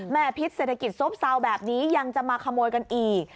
พิษเศรษฐกิจซบเซาแบบนี้ยังจะมาขโมยกันอีก